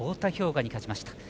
雅に勝ちました。